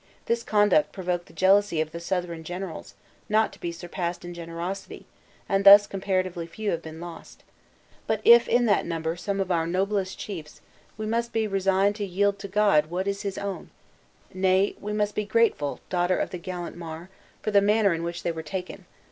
This conduct provoked the jealousy of the Southron generals, not to be surpassed in generosity, and thus comparatively few have been lost. But if in that number some of our noblest chiefs, we must be resigned to yield to God what is his own; may, we must be grateful, daughter of the gallant Mar, for the manner in which they were taken.